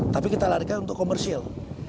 tapi kita larikan untuk komersil